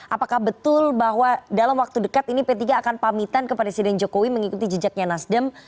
apakah betul bahwa dalam waktu dekat ini p tiga akan pamitan kepada presiden jokowi mengikuti jejaknya nasdem